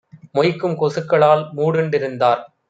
மொய்க்கும் கொசுக்களால் மூடுண் டிருந்தார்.